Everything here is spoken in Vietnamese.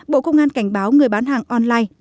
bộ công an cảnh báo người bán hàng online